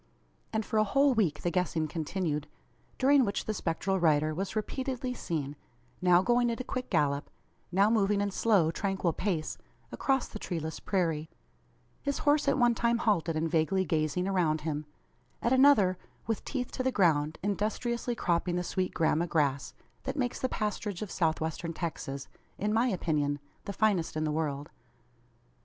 And for a whole week the guessing continued; during which the spectral rider was repeatedly seen; now going at a quick gallop, now moving in slow, tranquil pace, across the treeless prairie: his horse at one time halted and vaguely gazing around him; at another with teeth to the ground, industriously cropping the sweet gramma grass, that makes the pasturage of South Western Texas (in my opinion) the finest in the world.